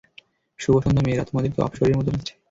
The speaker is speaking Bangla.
শুভ সন্ধ্যা মেয়েরা, তোমাদেরকে অপ্সরীর মতো লাগছে!